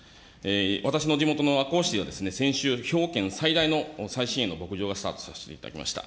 私の地元のあこう市では、先週、兵庫県最大の最新鋭の牧場をスタートさせていただきました。